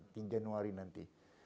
di januari nanti